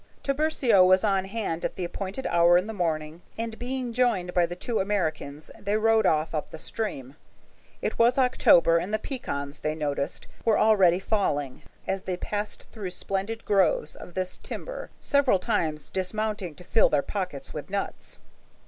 Tiburcio was on hand at the appointed hour in the morning, and being joined by the two Americans they rode off up the stream. It was October, and the pecans, they noticed, were already falling, as they passed through splendid groves of this timber, several times dismounting to fill their pockets with nuts.